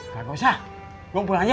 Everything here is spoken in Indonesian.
kagak usah gua pulang aja